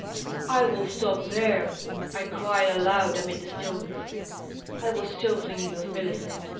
'^ I will stop there V I cried aloud amid the stillness. I was still thinking of Millicent.